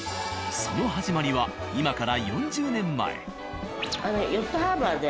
その始まりは今から４０年前。